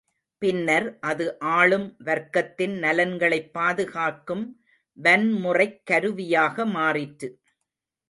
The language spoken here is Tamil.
பின்னர் அது ஆளும் வர்க்கத்தின் நலன்களைப் பாதுகாக்கும் வன்முறைக் கருவியாக மாறிற்று.